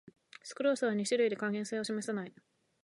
スクロースは二糖類で還元性を示さない